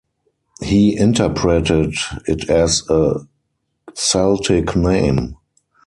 He interpreted it as a Celtic name.